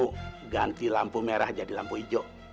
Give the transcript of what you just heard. pasti ibu lo mau ganti lampu merah jadi lampu hijau